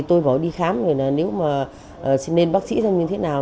tôi bỏ đi khám là nếu mà nên bác sĩ xem như thế nào